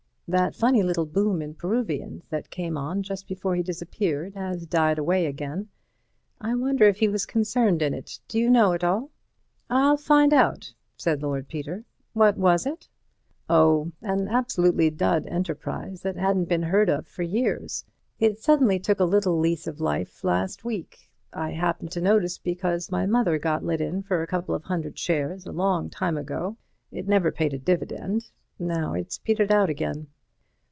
That funny little boom in Peruvians that came on just before he disappeared has died away again. I wonder if he was concerned in it. D'you know at all?" "I'll find out," said Lord Peter, "what was it?" "Oh, an absolutely dud enterprise that hadn't been heard of for years. It suddenly took a little lease of life last week. I happened to notice it because my mother got let in for a couple of hundred shares a long time ago. It never paid a dividend. Now it's petered out again."